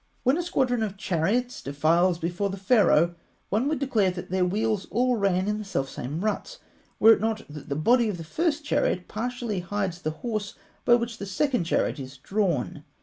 When a squadron of chariots defiles before Pharaoh, one would declare that their wheels all ran in the self same ruts, were it not that the body of the first chariot partly hides the horse by which the second chariot is drawn (fig.